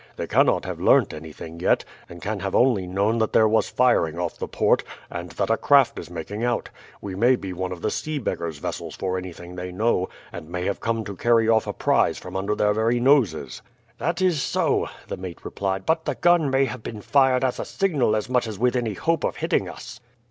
"They cannot have learnt anything yet, and can have only known that there was firing off the port, and that a craft is making out. We may be one of the sea beggars' vessels for anything they know, and may have come in to carry off a prize from under their very noses." "That is so," the mate replied; "but the gun may have been fired as a signal as much as with any hope of hitting us."